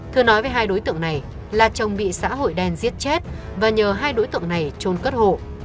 thưa nói với hai đối tượng này là chồng bị xã hội đen giết chết và nhờ hai đối tượng này trôn cất hộ